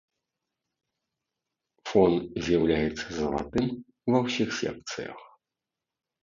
Фон з'яўляецца залатым ва ўсіх секцыях.